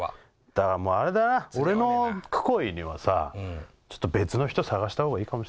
だからもうあれだな俺のくこいにはさちょっと別の人探した方がいいかもしんない。